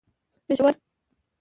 پېښور